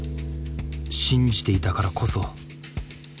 信じていたからこそ。